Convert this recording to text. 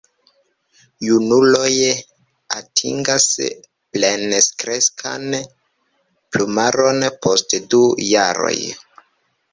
Junuloj atingas plenkreskan plumaron post du jaroj.